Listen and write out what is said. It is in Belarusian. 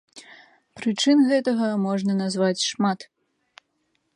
Прычын гэтага можна назваць шмат.